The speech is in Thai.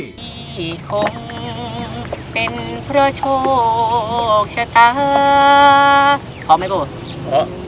ที่คงเป็นเพราะโชคชะตา